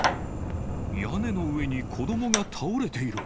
屋根の上に子どもが倒れている。